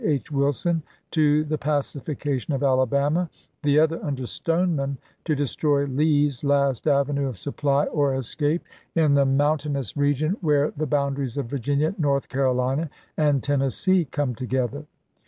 H. Wilson to the pacification of Alabama, the other, under Stoneman, to destroy Lee's last avenue of supply or escape in the mountainous region where the boundaries of Virginia, North Carolina, and Tennessee come together.